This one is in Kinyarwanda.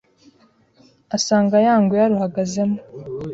asanga ya ngwe yaruhagaze mo